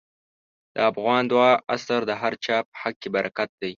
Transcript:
د افغان د دعا اثر د هر چا په حق کې برکت دی.